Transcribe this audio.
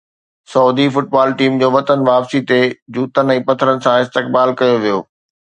Saudi football team جو وطن واپسي تي جوتن ۽ پٿرن سان استقبال ڪيو ويو